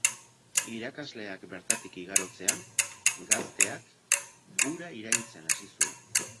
Irakasleak bertatik igarotzean, gazteak hura iraintzen hasi zuen.